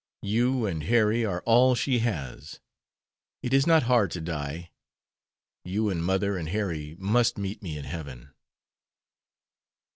You and Harry are all she has. It is not hard to die. You and mother and Harry must meet me in heaven."